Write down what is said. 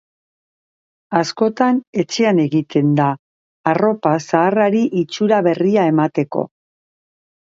Askotan etxean egiten da, arropa zaharrari itxura berria emateko.